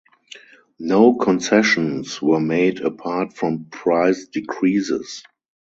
No concessions were made apart from price decreases.